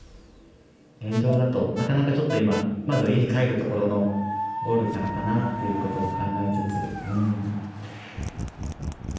現状だとなかなかちょっと今まずは家に帰るところのゴールからかなということを考えつつうん。